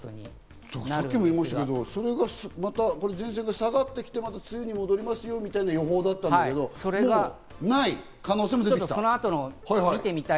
さっきも言いましたが、前線が下がってきて、また梅雨に戻りますよみたいな予報だったんだけど、それがない可能性も出てきた。